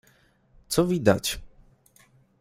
Co widać?